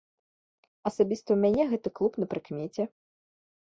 Асабіста ў мяне гэты клуб на прыкмеце.